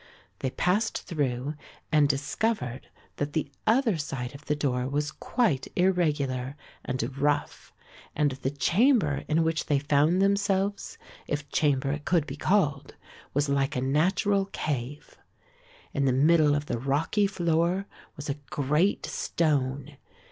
They passed through and discovered that the other side of the door was quite irregular and rough and the chamber in which they found themselves, if chamber it could be called, was like a natural cave. In the middle of the rocky floor was a great stone.